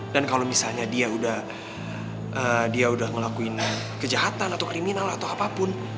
dan kalo misalnya dia udah ngelakuin kejahatan atau kriminal atau apapun